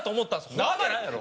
そんなわけないやろ。